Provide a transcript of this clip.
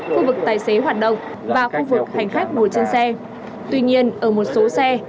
khu vực tài xế hoạt động và khu vực hành khách ngồi trên xe tuy nhiên ở một số xe